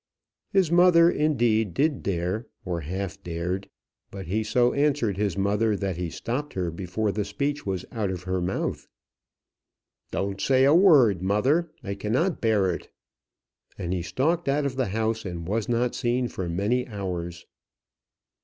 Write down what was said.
His mother, indeed, did dare, or half dared. But he so answered his mother that he stopped her before the speech was out of her mouth. "Don't say a word, mother; I cannot bear it." And he stalked out of the house, and was not seen for many hours.